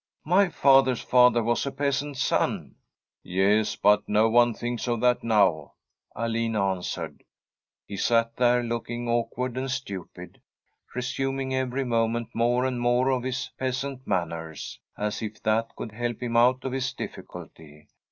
My father's father was a peasant's son.' * Yes, but no one thinks of that now,' Alin an swered. He sat there, looking awkward and stupid, resuming every moment more and more of his peasant manners, as if that could help him out of his difficulty.